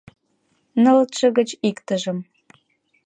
Нылытше гыч иктыжым